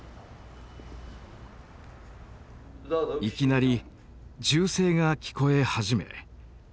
いきなり銃声が聞こえ始め